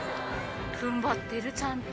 踏ん張ってるちゃんと。